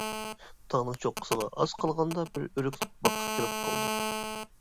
تاغنىڭ چوققىسىغا ئاز قالغاندا بىر ئۆرۈكلۈك باغقا كىرىپ قالدۇق.